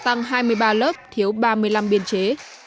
trong đó bậc học mầm non tăng ba mươi ba lớp thiếu ba mươi năm biên chế